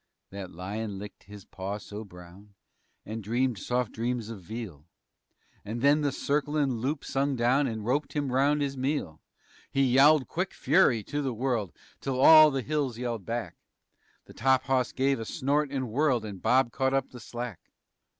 _" That lion licked his paw so brown And dreamed soft dreams of veal And then the circlin' loop sung down And roped him 'round his meal. He yowled quick fury to the world Till all the hills yelled back; The top hawse gave a snort and whirled And Bob caught up the slack.